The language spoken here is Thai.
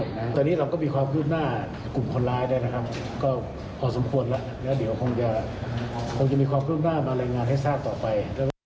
ตอนนี้เราก็มีความคืบหน้ากลุ่มคนร้ายได้นะครับก็พอสมควรแล้วแล้วเดี๋ยวคงจะคงจะมีความคืบหน้ามารายงานให้ทราบต่อไป